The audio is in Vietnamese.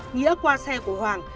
nghĩa qua xe của hoàng